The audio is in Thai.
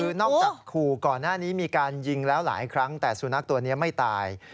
คือนอกจากขู่ก่อนหน้านี้มีการยิงแล้วหลายครั้งแต่สุนัขตัวนี้ไม่ตาย